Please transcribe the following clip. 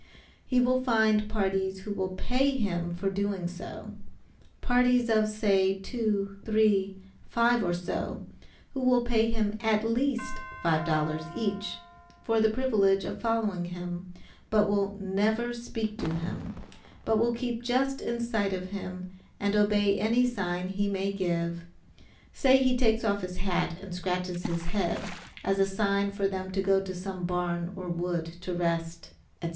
He will find parties who will pay him for doing so. Parties of say, two, three, five or so, who will pay him at least $5 each, for the privilege of following him, but will never speak to him; but will keep just in sight of him and obey any sign he may give; say, he takes off his hat and scratches his head as a sign for them to go to some barn or wood to rest, &c.